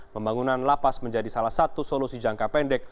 pembangunan lapas menjadi salah satu solusi jangka pendek